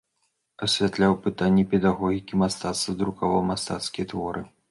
Асвятляў пытанні педагогікі, мастацтва, друкаваў мастацкія творы.